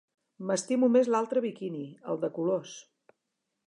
M'estimo més l'altre biquini, el de colors.